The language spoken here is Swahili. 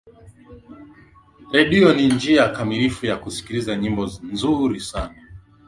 redio ni njia kamilifu ya kusikiliza nyimbo nzuri sana